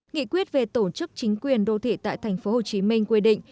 nghị quyết về tổ chức chính quyền đô thị tại tp hcm quy định